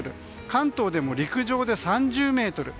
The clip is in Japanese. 関東でも陸上で３０メートル。